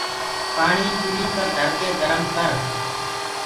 پآڻي چوليٚ پر ڌرڪي گرم ڪر۔